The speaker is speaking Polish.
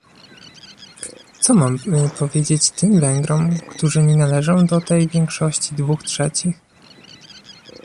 Co mamy powiedzieć tym Węgrom, którzy nie należą do tej większości dwóch trzecich?